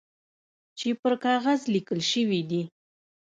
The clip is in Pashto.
چي پر کاغذ لیکل شوي دي .